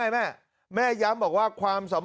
การนอนไม่จำเป็นต้องมีอะไรกัน